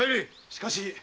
しかし。